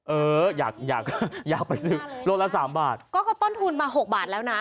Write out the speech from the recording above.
เอออยากอยากอยากประสิทธิ์ลดละ๓บาทก็เขาต้นทุนมา๖บาทแล้วนะ